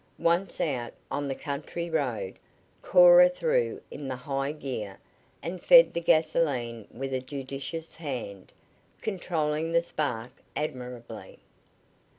Once out on the country road Cora threw in the high gear and fed the gasolene with a judicious hand, controlling the spark admirably.